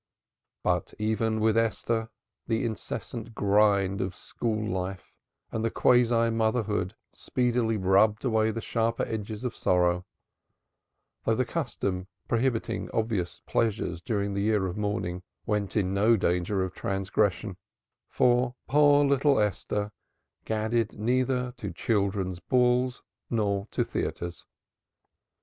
But even with Esther the incessant grind of school life and quasi motherhood speedily rubbed away the sharper edges of sorrow, though the custom prohibiting obvious pleasures during the year of mourning went in no danger of transgression, for poor little Esther gadded neither to children's balls nor to theatres.